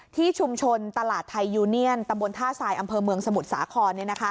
ที่ชุมชนตลาดไทยยูเนียนตำบลท่าทรายอำเภอเมืองสมุทรสาคร